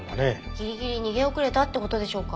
ギリギリ逃げ遅れたって事でしょうか？